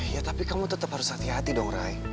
ya tapi kamu tetap harus hati hati dong ray